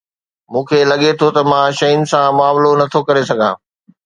مون کي لڳي ٿو ته مان شين سان معاملو نٿو ڪري سگهان